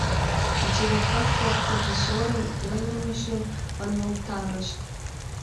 Делегат-влак ревизорын ойлымыжым ыҥылтарышт.